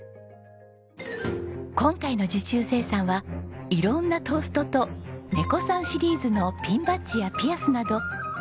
今回の受注生産は色んなトーストとネコさんシリーズのピンバッジやピアスなど４６９点です。